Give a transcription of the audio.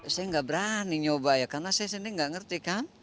saya nggak berani nyoba ya karena saya sendiri nggak ngerti kan